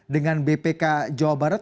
dengan bpk jawa barat